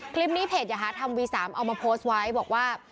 คลิปนี้เพจยาฮาร์ทำวีสามเอามาโพสต์ไวท์บอกว่า